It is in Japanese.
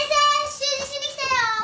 習字しに来たよ。